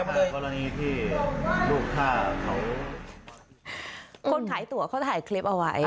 ออกมาเลยค่ะกรณีที่ลูกฆ่าเขาคนขายตั๋วเขาถ่ายคลิปเอาไว้